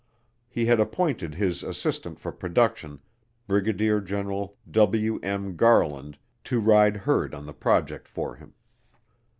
He had appointed his Assistant for Production, Brigadier General W. M. Garland, to ride herd on the project for him.